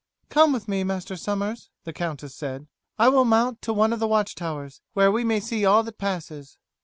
"Come with me, Master Somers," the countess said. "I will mount to one of the watch towers, where we may see all that passes."